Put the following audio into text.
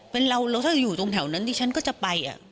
เป็นเราแล้วถ้าอยู่ตรงแถวนั้นดิฉันก็จะไป